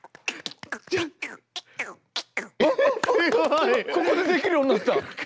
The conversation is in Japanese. ここでできるようになった！